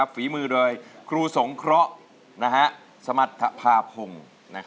ฝีมือโดยครูสงเคราะห์สมรรถภาพง